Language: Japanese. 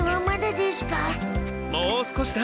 もう少しだ。